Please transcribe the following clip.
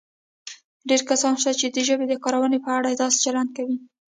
ډېر کسان شته چې د ژبې د کارونې په اړه داسې چلند کوي